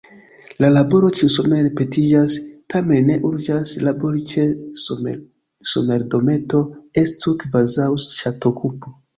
La laboro ĉiusomere ripetiĝas, tamen ne urĝas: labori ĉe somerdometo estu kvazaŭ ŝatokupo.